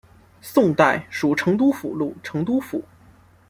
宋代属成都府路成都府。